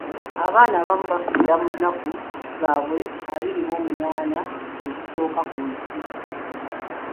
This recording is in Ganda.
Abaana abamu bafiira mu nnnaku zaabwe abiri mu omunaana ezisooka ku nsi.